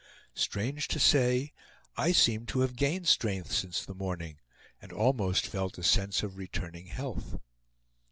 Strange to say, I seemed to have gained strength since the morning, and almost felt a sense of returning health.